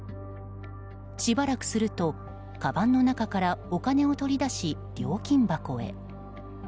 しばらくすると、かばんの中からお金を取り出し、料金箱へ。